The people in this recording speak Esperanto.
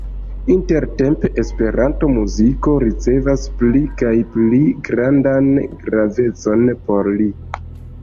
Intertempe Esperanto-muziko ricevas pli kaj pli grandan gravecon por li.